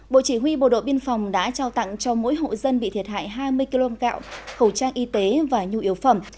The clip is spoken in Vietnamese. bộ chỉ huy bộ đội biên phòng đã trao tặng cho mỗi hộ dân bị thiệt hại hai mươi kg gạo khẩu trang y tế và nhu yếu phẩm